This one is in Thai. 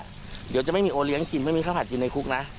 เดี๋ยวจะไม่มีโอเลี้ยงกินไม่มีข้าวผัดกินในคุกนะ